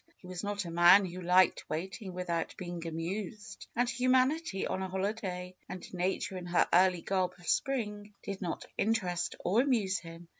He was not a man who liked waiting without being amused, and humanity on a holiday, and nature in her early garb of spring, did not interest or amuse him.